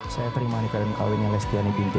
saya terima nikah dan kawinnya lestiani binti